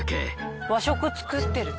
和食作ってる。